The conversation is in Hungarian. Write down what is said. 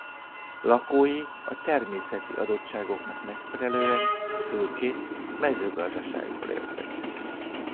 Lakói a természeti adottságoknak megfelelően főként mezőgazdaságból éltek.